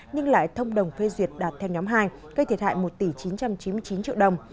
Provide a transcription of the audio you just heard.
nhưng lại thông đồng phê duyệt đạt theo nhóm hai gây thiệt hại một tỷ chín trăm chín mươi chín triệu đồng